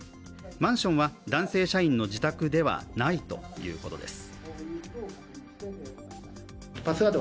マンションは男性社員の自宅ではないということです。